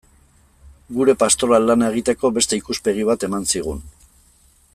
Gure pastoral lana egiteko beste ikuspegi bat eman zigun.